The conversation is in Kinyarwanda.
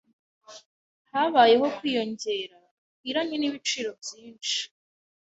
Habayeho kwiyongera gukwiranye n’ibiciro byinshi.